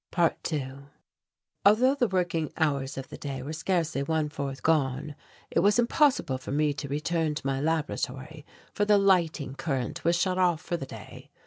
~2~ Although the working hours of the day were scarcely one fourth gone, it was impossible for me to return to my laboratory for the lighting current was shut off for the day.